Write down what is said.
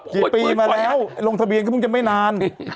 กี่ปีมาแล้วลงทะเบียนก็เพิ่งจะไม่นาน